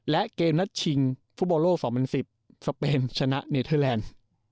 และเกมนัดชิงฟุตบอลโลก๒๐๑๐สเปนชนะเนเทอร์แลนด์